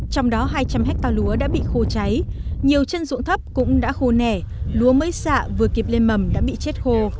trong đó hai trăm linh hectare lúa đã bị khô cháy nhiều chân ruộng thấp cũng đã khô nẻ lúa mới xạ vừa kịp lên mầm đã bị chết khô